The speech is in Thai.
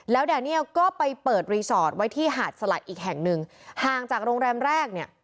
แล้วแดเนียลก็ไปเปิดรีสอร์ทไว้ที่หาดสลัดอีกแห่งหนึ่งห่างจากโรงแรมแรกเนี่ย